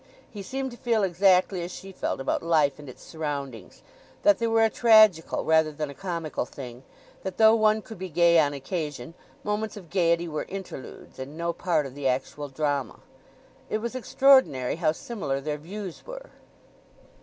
He seemed to feel exactly as she felt about life and its surroundings—that they were a tragical rather than a comical thing; that though one could be gay on occasion, moments of gaiety were interludes, and no part of the actual drama. It was extraordinary how similar their views were.